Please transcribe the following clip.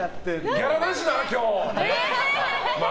ギャラなしだな、今日。